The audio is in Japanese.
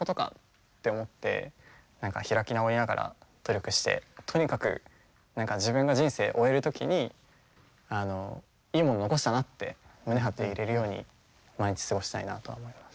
何か開き直りながら努力してとにかく自分が人生終える時にあのいいもの残したなって胸張っていれるように毎日過ごしたいなとは思います。